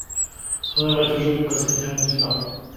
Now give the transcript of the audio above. Son œuvre est aujourd'hui presque entièrement disparue.